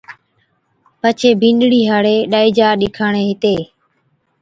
پڇي بِينڏڙِي ھاڙي ڏائِجا ڏِکاڻي ھِتي